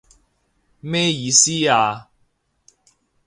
咩意思啊？